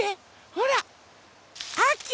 ほらあき！